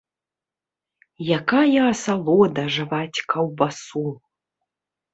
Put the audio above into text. Якая асалода жаваць каўбасу!